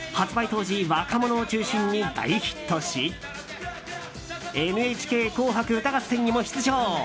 当時若者を中心に大ヒットし「ＮＨＫ紅白歌合戦」にも出場。